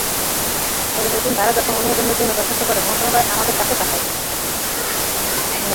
তবে নতুনরা যখন অনুমোদনের জন্য দরখাস্ত করে, মন্ত্রণালয় আমাদের কাছে পাঠায়।